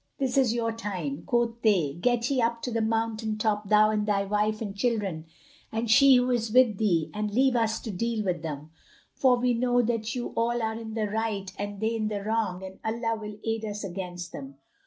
This is your time!" Quoth they, "Get ye up to the mountain top, thou and thy wife and children and she who is with thee and leave us to deal with them, for we know that you all are in the right and they in the wrong and Allah will aid us against them."